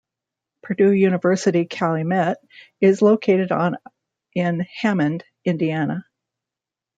Purdue University Calumet is located on in Hammond, Indiana.